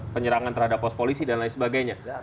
penyerangan terhadap pos polisi dan lain sebagainya